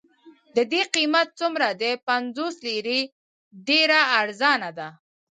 د دې قیمت څومره دی؟ پنځوس لیرې، ډېره ارزانه ده.